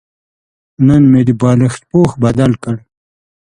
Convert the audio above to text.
نن مې د بالښت پوښ بدل کړ.